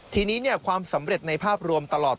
ทีนี้ความสำเร็จในภาพรวมตลอด